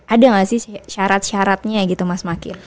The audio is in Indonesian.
ada gak sih syarat syaratnya gitu mas makil